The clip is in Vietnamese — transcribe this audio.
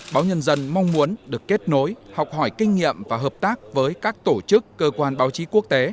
báo nhân dân mong muốn được kết nối học hỏi kinh nghiệm và hợp tác với các tổ chức cơ quan báo chí quốc tế